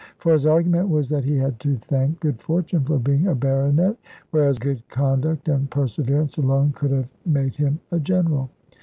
For his argument was that he had to thank good fortune for being a baronet, whereas good conduct and perseverance alone could have made him a general.